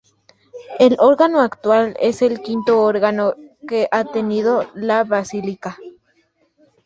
El órgano actual es el quinto órgano que ha tenido la basílica.